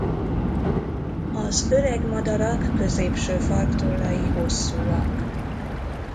Az öreg madarak középső faroktollai hosszúak.